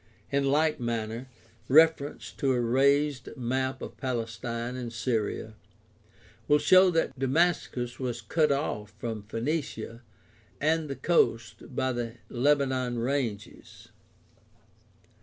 In like manner, reference to a raised map of Palestine and Syria will show that Damascus was cut o& from Phoenicia and the coast by the Lebanon ranges.